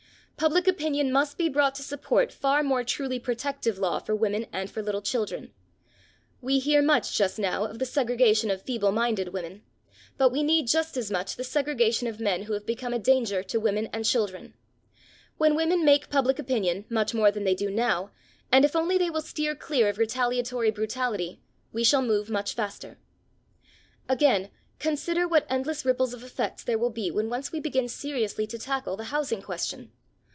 Public opinion must be brought to support far more truly protective law for women and for little children. We hear much just now of the segregation of feeble minded women, but we need, just as much, the segregation of men who have become a danger to women and children. When women make public opinion much more than they do now, and if only they will steer clear of retaliatory brutality, we shall move much faster. Again, consider what endless ripples of effects there will be when once we begin seriously to tackle the housing question.